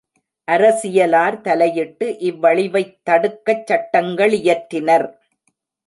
அரசியலார் தலையிட்டு இவ்வழிவைத் தடுக்கச் சட்டங்களியற்றினர்.